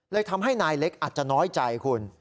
ทำให้นายเล็กอาจจะน้อยใจคุณ